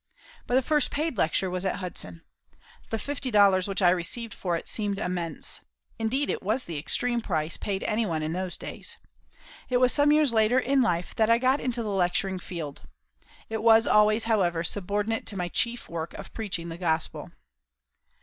But the first paid lecture was at Hudson. The fifty dollars which I received for it seemed immense. Indeed it was the extreme price paid anyone in those days. It was some years later in life that I got into the lecturing field. It was always, however, subordinate to my chief work of preaching the Gospel.